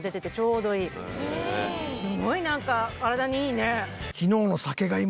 すごいなんか体にいいね。